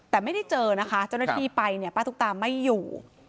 แต่ไม่ได้เจอนะคะเจ้าหน้าที่ไปเนี่ยป้าตุ๊กตาไม่อยู่